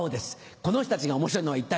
この人たちが面白いのは一体。